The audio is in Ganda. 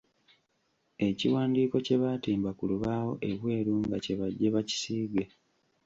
Ekiwandiiko kye baatimba ku lubaawo ebweru nga kyebajje bakisiige.